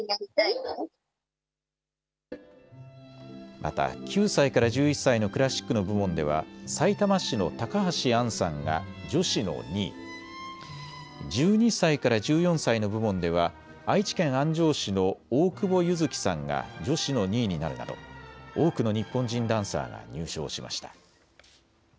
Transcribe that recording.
また９歳から１１歳のクラシックの部門ではさいたま市の高橋杏さんが女子の２位、１２歳から１４歳の部門では愛知県安城市の大久保柚希さんが女子の２位になるなど多くの日本人ダンサーが入賞しました。